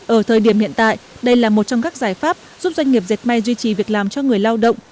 ở thời điểm hiện tại đây là một trong các giải pháp giúp doanh nghiệp dệt may duy trì việc làm cho người lao động